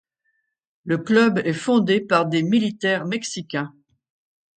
Le club est fondé par des militaires mexicains.